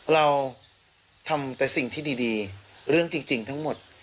เราทำแต่สิ่งที่ดีเรื่องจริงทั้งหมด